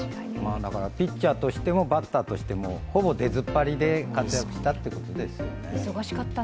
ピッチャーとしてもバッターとしてもほぼ出ずっぱりで活躍したってことですよね。